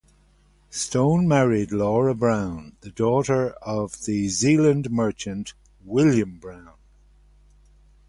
Stone married Laura Brown, the daughter of the Zealand merchant William Brown.